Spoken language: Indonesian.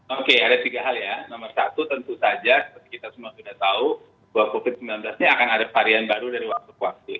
oke ada tiga hal ya nomor satu tentu saja seperti kita semua sudah tahu bahwa covid sembilan belas ini akan ada varian baru dari waktu ke waktu